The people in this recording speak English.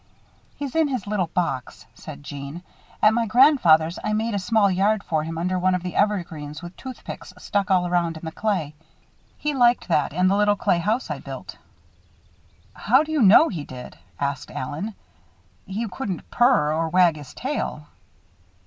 "He's in his little box," said Jeanne. "At my grandfather's I made a small yard for him under one of the evergreens with toothpicks stuck all around in the clay. He liked that and the little clay house I built." "How do you know he did?" asked Allen. "He couldn't purr or wag his tail."